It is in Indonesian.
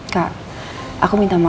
kak aku minta maaf